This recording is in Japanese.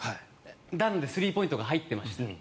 なのでスリーポイントが入っていました。